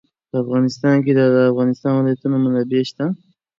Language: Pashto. په افغانستان کې د د افغانستان ولايتونه منابع شته.